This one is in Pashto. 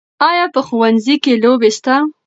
آیا په ښوونځي کې لوبې سته؟